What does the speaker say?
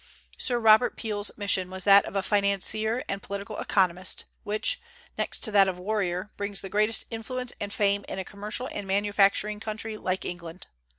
Sir Robert Peel's mission was that of a financier and political economist, which, next to that of warrior, brings the greatest influence and fame in a commercial and manufacturing country like England.